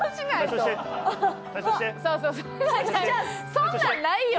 そんなんないよ！